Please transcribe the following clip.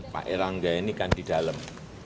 pak erlangga ini kan di dalam